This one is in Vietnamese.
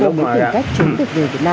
người ta gửi là đi trung quốc đi sướng lắm